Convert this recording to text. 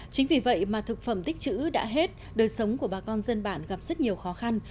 chính vì vậy mà thực phẩm tích chữ đã hết đời sống của bà con dân bản gặp rất nhiều khó khăn